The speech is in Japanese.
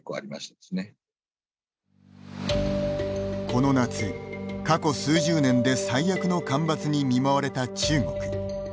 この夏、過去数十年で最悪の干ばつに見舞われた中国。